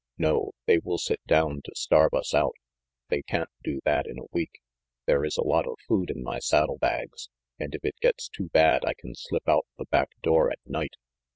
No, they will sit down to starve us out. They can't do that in a week. There is a lot of food in my saddle bags, and if it gets too bad I can slip out the back door at night.